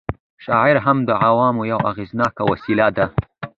شاعري هم د عوامو یوه اغېزناکه وسله وه.